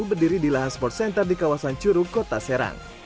berdiri di lahan sports center di kawasan curug kota serang